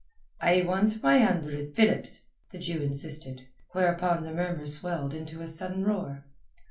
"I want my hundred philips," the Jew insisted, whereupon the murmur swelled into a sudden roar.